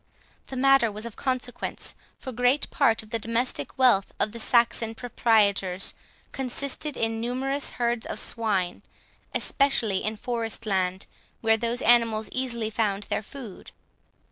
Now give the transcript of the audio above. The matter was of consequence, for great part of the domestic wealth of the Saxon proprietors consisted in numerous herds of swine, especially in forest land, where those animals easily found their food.